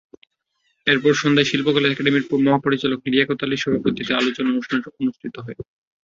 এরপর সন্ধ্যায় শিল্পকলা একাডেমীর মহাপরিচালক লিয়াকত আলীর সভাপতিত্বে আলোচনা অনুষ্ঠান অনুষ্ঠিত হয়।